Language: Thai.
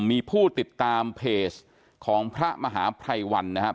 มีผู้ติดตามเพจของพระมหาภัยวันนะครับ